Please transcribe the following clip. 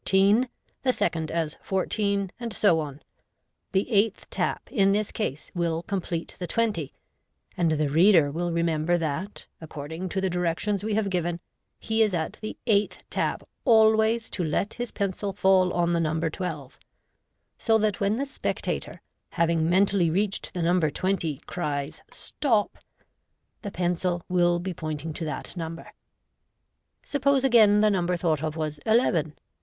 teen, the second as fourteen, and so on. The eighth tap in this case will complete the twenty, and the reader will remember that, accord ing to the directions we have given, he is at the eighth tap always to let his pencil fall on the number twelve $ so that when the spectator, having mentally reached the number twenty, cries, " Stop," the pen cil will be pointing to that number. Suppose, again, the number thought of was "eleven."